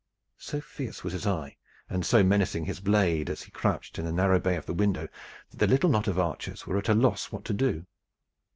So fierce was his eye and so menacing his blade as he crouched in the narrow bay of the window that the little knot of archers were at a loss what to do.